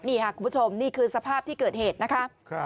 นี่ค่ะคุณผู้ชมนี่คือสภาพที่เกิดเหตุนะคะ